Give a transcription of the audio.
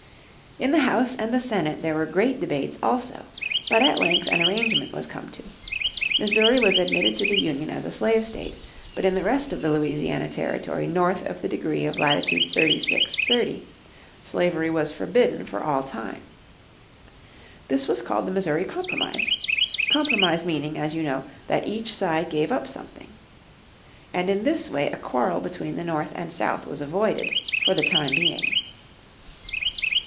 In the House and the Senate there were great debates also. But at length an arrangement was come to. Missouri was admitted to the Union as a slave state, but in the rest of the Louisiana Territory north of the degree of latitude 36 degrees slavery was forbidden for all time. This was called the Missouri Compromise; compromise meaning, as you know, that each side gave up something. And in this way a quarrel between the North and South was avoided for the time being.